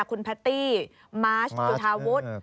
คุณแพตตี้มาร์ชจุธาวุฒิ